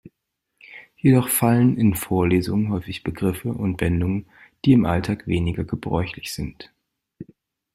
Jedoch fallen in Vorlesungen häufig Begriffe und Wendungen, die im Alltag weniger gebräuchlich sind.